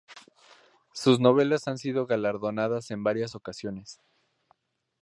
Sus novelas han sido galardonadas en varias ocasiones.